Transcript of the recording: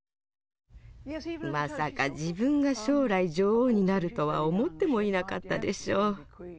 まさか自分が将来女王になるとは思ってもいなかったでしょう。